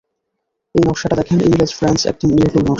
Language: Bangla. এই নকশা টা দেখেন, ইংরেজ, ফ্রেঞ্চ, একদম নির্ভুল নকশা।